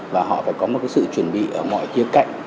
và họ phải có một cái sự chuẩn bị ở mọi kia cạnh